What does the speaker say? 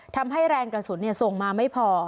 ทำให้แรงกระสุนส่งมาไม่พอ